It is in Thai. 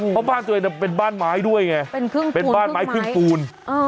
เพราะบ้านตัวเองเป็นบ้านไม้ด้วยไงเป็นบ้านไม้ครึ่งปูน